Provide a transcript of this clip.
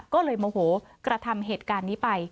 ก็เลยโมโหกระทำเหตุการณ์นี้ไป